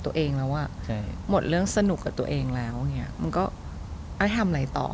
ตัวเองแล้วอ่ะใช่หมดเรื่องสนุกกับตัวเองแล้วเนี้ยมันก็เอาให้ทำอะไรต่อ